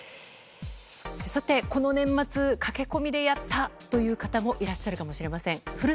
さて、この年末駆け込みでやったという方もいらっしゃるかもしれません。